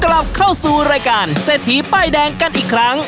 กลับเข้าสู่รายการเศรษฐีป้ายแดงกันอีกครั้ง